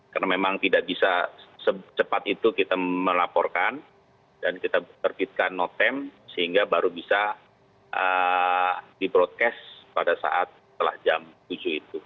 karena memang tidak bisa secepat itu kita melaporkan dan kita berbitkan notem sehingga baru bisa di broadcast pada saat setelah jam tujuh itu